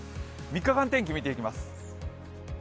３日間天気見ていきます。